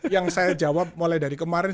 yang saya jawab mulai dari kemarin